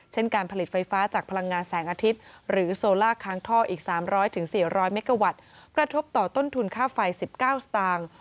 การผลิตไฟฟ้าจากพลังงานแสงอาทิตย์หรือโซล่าค้างท่ออีก๓๐๐๔๐๐เมกาวัตต์กระทบต่อต้นทุนค่าไฟ๑๙สตางค์